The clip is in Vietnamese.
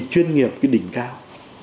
một là chuyên nghiệp đỉnh cao